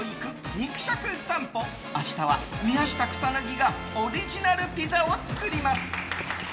肉食さんぽ明日は宮下草薙がオリジナルピザを作ります。